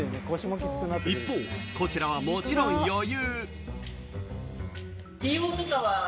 一方、こちらはもちろん余裕。